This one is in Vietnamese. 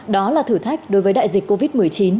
đó là thử thách đối với đại dịch covid một mươi chín